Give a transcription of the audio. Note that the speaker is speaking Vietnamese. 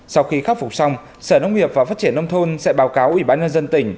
sau khi khắc phục xong sở nông nghiệp và phát triển nông thôn sẽ báo cáo ủy ban nhân dân tỉnh